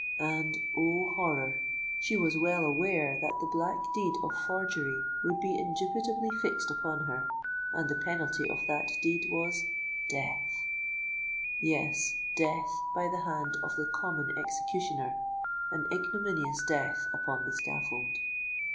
And—O horror! she was well aware that the black deed of forgery would be indubitably fixed upon her: and the penalty of that deed was—death! Yes:—death by the hand of the common executioner—an ignominious death upon the scaffold!